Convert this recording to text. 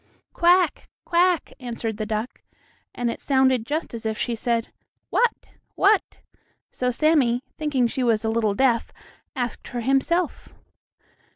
"Quack! quack!" answered the duck, and it sounded just as if she said, "What? what?" So Sammie, thinking she was a little deaf, asked her himself.